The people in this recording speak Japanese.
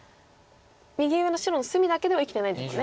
右上の白隅だけでは生きてないですもんね。